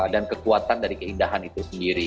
dan kekuatan dari keindahan itu sendiri